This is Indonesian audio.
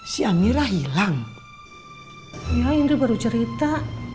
si amira hilang ya ini baru cerita